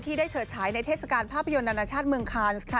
ได้เฉิดฉายในเทศกาลภาพยนตร์นานาชาติเมืองคานส์ค่ะ